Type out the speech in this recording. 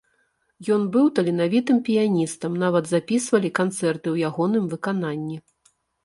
Ён быў таленавітым піяністам, нават запісвалі канцэрты ў ягоным выкананні.